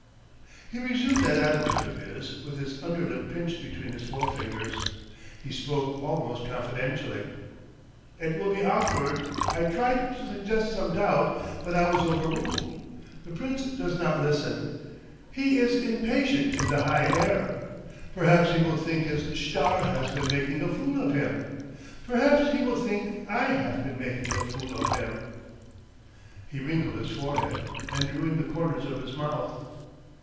He resumed that attitude of his, with his underlip pinched between his forefingers. He spoke almost confidentially. "It will be awkward. I triet to suggest some doubt, but I was over ruled. The Prince does not listen. He is impatient in the high air. Perhaps he will think his schtar has been making a fool of him. Perhaps he will think I haf been making a fool of him." He wrinkled his forehead, and drew in the corners of his mouth.